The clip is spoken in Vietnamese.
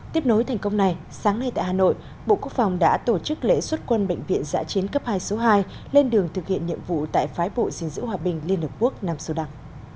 tiếp nối thành công này sáng nay tại hà nội bộ quốc phòng đã tổ chức lễ xuất quân bệnh viện giã chiến cấp hai số hai lên đường thực hiện nhiệm vụ tại phái bộ dình giữ hòa bình liên hợp quốc nam sudan